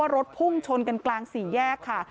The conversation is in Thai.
รถพุ่งชนกันกลางสี่แยกค่ะ